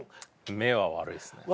目は悪いっすね。